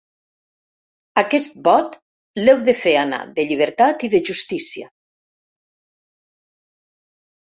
Aquest vot l’heu de fer anar de llibertat i de justícia.